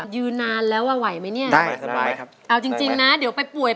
ยือนานแล้วนะไหวไหมเนี่ย